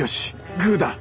「グー」だ！